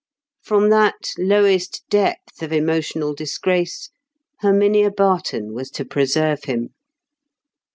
From that lowest depth of emotional disgrace Herminia Barton was to preserve him.